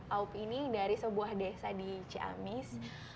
aup ini dari sebuah desa di ciamis